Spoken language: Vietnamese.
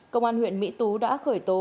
công an huyện mỹ tú đã khởi tố